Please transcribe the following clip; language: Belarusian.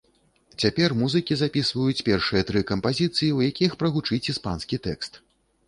Цяпер музыкі запісваюць першыя тры кампазіцыі, у якіх прагучыць іспанскі тэкст.